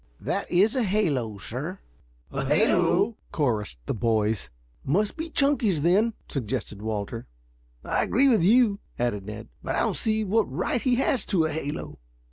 "That is a halo, sir." "A halo?" chorused the boys. "Must be Chunky's then," suggested Walter. "I agree with you," added Ned. "But I don't see what right he has to a halo."